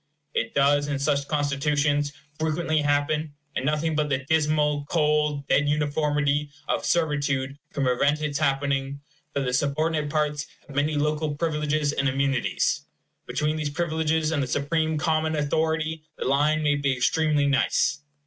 It does, in such constitutions, frequently happen and nothing but the dismal, cold, dead uniformity of servitude can prevent its happening that the subordinate parts have many local privileges and immunities. Between these privileges and the supreme common authority the line may be extremely nice.